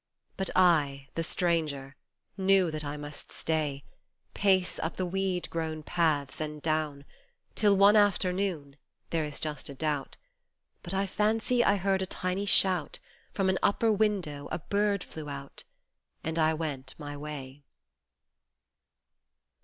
But, I the stranger, knew that I must stay, Pace up the weed grown paths and down, Till one afternoon there is just a doubt But I fancy I heard a tiny shout From an upper window a bird flew out And I went my way.